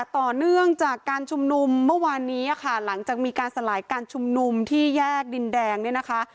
ต่อเนื่องจากการชุมนุมเมื่อวานนี้ค่ะหลังจากมีการสลายการชุมนุมที่แยกดินแดงเนี่ยนะคะ